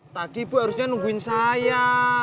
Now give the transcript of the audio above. tadi ibu harusnya nungguin saya